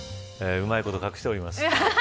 うまいこと隠しております。